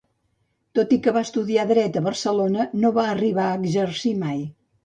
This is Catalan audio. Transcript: Tot i que va estudiar Dret a Barcelona, no va arribar a exercir mai.